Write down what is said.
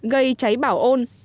gây cháy bảo ôn